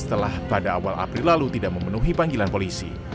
setelah pada awal april lalu tidak memenuhi panggilan polisi